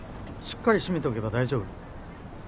しっかり閉めとけば大丈夫